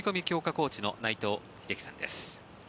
コーチの内藤英樹さんです。